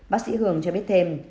bác sĩ hường cho biết thêm